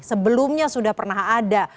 sebelumnya sudah pernah ada